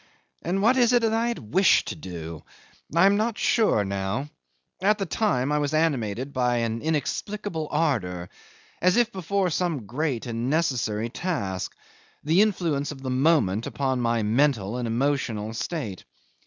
And what is it that I had wished to do? I am not sure now. At the time I was animated by an inexplicable ardour, as if before some great and necessary task the influence of the moment upon my mental and emotional state.